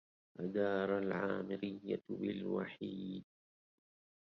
أدار العامرية بالوحيد